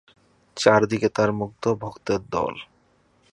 চারদিকে তাঁর মুগ্ধ ভক্তের দল।